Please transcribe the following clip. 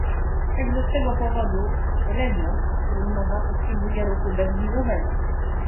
Także z tego powodu region, o którym mowa, potrzebuje ruchu bezwizowego